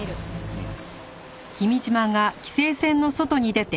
うん。